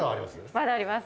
まだあります。